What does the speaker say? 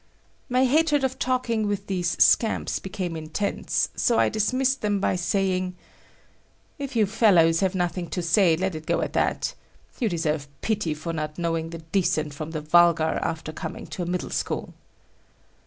My hatred of talking with these scamps became intense, so I dismissed them by saying: "If you fellows have nothing to say, let it go at that. You deserve pity for not knowing the decent from the vulgar after coming to a middle school."